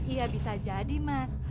iya bisa jadi mas